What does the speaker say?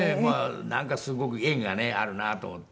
なんかすごく縁があるなと思って。